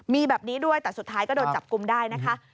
มีแบบนี้ด้วยแต่สุดท้ายก็โดนจับกลุ่มได้นะคะ